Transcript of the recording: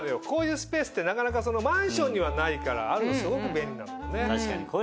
こういうスペースってなかなかマンションにはないからあるのすごく便利なんだよね。